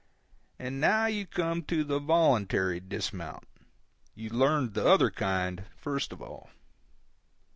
And now you come to the voluntary dismount; you learned the other kind first of all.